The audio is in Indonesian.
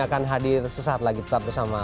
akan hadir sesaat lagi tetap bersama